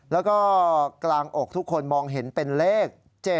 แล้วก็กลางอกทุกคนมองเห็นเป็นเลข๗